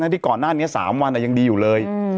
ที่ก่อนหน้านี้๓วันยังดีอยู่เลย